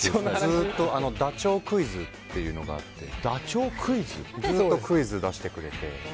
ずっと、ダチョウクイズっていうのがあってずっとクイズを出してくれて。